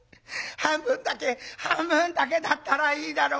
半分だけ半分だけだったらいいだろう。